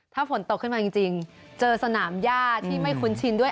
ถ้าฝนตกขึ้นมาจริงเจอสนามย่าที่ไม่คุ้นชินด้วย